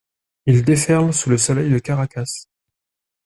Ils déferlent sous le soleil de Caracas.